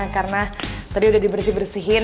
karena tadi udah dibersih bersihin